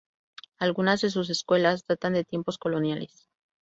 Algunas de sus escuelas datan de tiempos coloniales.